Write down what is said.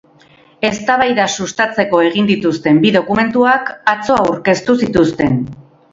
Eztabaida sustatzeko egin dituzten bi dokumentuak atzo aurkeztu zituzten.